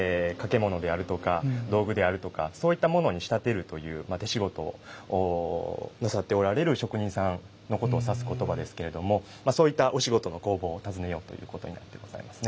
物であるとか道具であるとかそういったものに仕立てるという手仕事をなさっておられる職人さんのことを指す言葉ですけれどもそういったお仕事の工房を訪ねようということになってございますね。